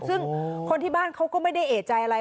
ซึ่งคนที่บ้านเขาก็ไม่ได้เอกใจอะไร